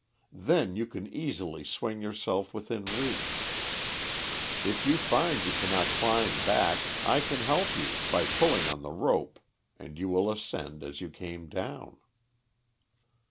Then you can easily swing yourself within reach. If you find you cannot climb back, I can help you, by pulling on the rope and you will ascend as you came down."